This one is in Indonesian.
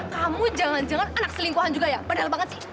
kamu jangan jangan anak selingkuhan juga ya padahal banget sih